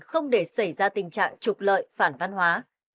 không để xảy ra tình trạng trục lợi phản văn hóa